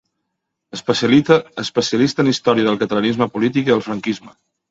Especialista en història del catalanisme polític i del franquisme.